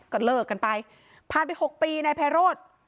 ก็เลิกกันไปผ่านไป๖ปีนายไพโรธ